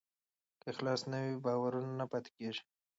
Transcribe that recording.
که اخلاص نه وي، باور نه پاتې کېږي.